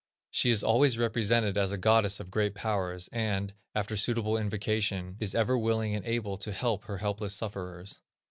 She is always represented as a goddess of great powers, and, after suitable invocation, is ever willing and able to help her helpless sufferers.